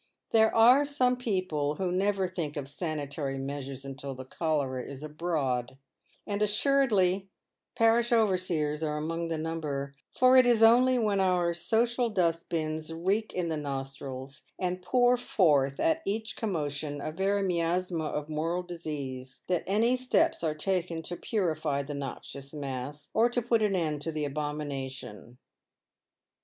There are some people who never think of sanitary measures until the cholera is abroad ; and assuredly parish overseers are among the number, for it is only when our social dust bins reek in the nostrils, and pour forth at each commotion a very miasma of moral disease, that any steps are taken to purify the noxious mass, or to put an end to the abomination.